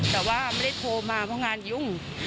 แต่ว่าไม่ได้โทรมาเพราะงานยุ่ง